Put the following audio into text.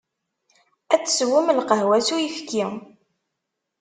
Ad teswem lqahwa s uyefki.